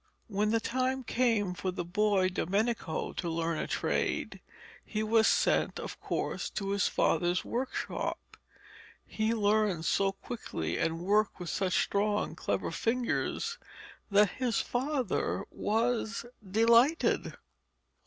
When the time came for the boy Domenico to learn a trade, he was sent, of course, to his father's workshop. He learned so quickly, and worked with such strong, clever fingers, that his father was delighted.